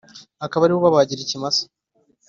akaba ari we ubabagira ikimasa